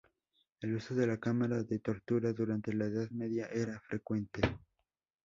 El uso de la cámara de tortura durante la Edad Media era frecuente.